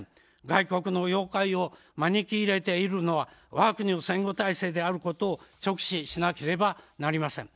外国のようかいを招き入れているのは、わが国の戦後体制であることを直視しなければなりません。